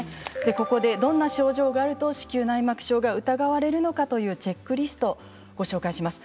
ここでどんな症状があると子宮内膜症が疑われるのかというチェックリスト、ご紹介します。